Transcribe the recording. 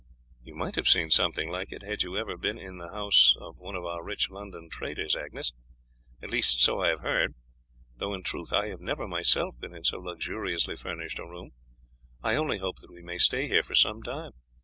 "You might have seen something like it had you ever been in the house of one of our rich London traders, Agnes; at least so I have heard, though in truth I have never myself been in so luxuriously furnished a room. I only hope that we may stay here for some time.